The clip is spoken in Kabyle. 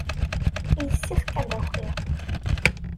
Yessefk ad d-takiḍ.